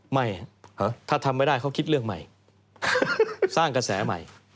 ไม่ถ้าทำไม่ได้เขาคิดเรื่องใหม่สร้างกระแสใหม่